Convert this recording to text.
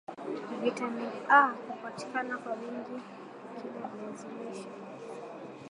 Vitamin A hupatikana kwa wingi ukila viazi lishe